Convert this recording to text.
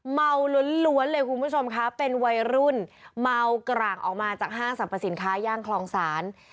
เมาล้วนเลยคุณผู้ชมค่ะเป็นวัยรุ่นเมากร่างออกมาจากห้างสรรพสินค้าย่านคลองศาล